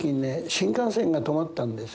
新幹線が止まったんですね。